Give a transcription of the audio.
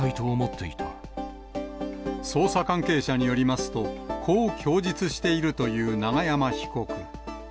捜査関係者によりますと、こう供述しているという永山被告。